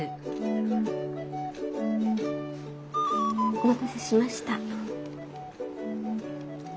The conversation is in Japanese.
お待たせしました。